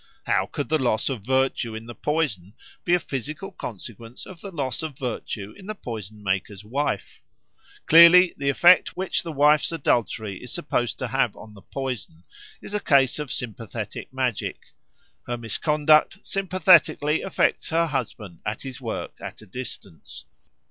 How could the loss of virtue in the poison be a physical consequence of the loss of virtue in the poison maker's wife? Clearly the effect which the wife's adultery is supposed to have on the poison is a case of sympathetic magic; her misconduct sympathetically affects her husband and his work at a distance.